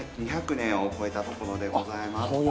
２００年を超えたところでございます。